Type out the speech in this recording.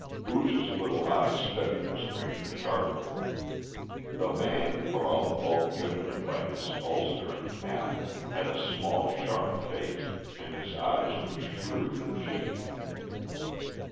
Booge's little eyes studied the stranger sharply. The man, for all the bulk given him by his ulster and cap, had a small, sharp face, and his eyes were shrewd and shifty.